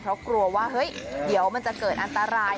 เพราะกลัวว่าเฮ้ยเดี๋ยวมันจะเกิดอันตราย